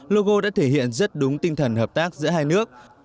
logo đã thể hiện rất đúng tinh thần hợp tác giữa hai nước